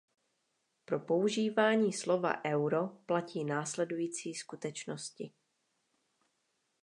Pro používání slova "euro" platí následující skutečnosti.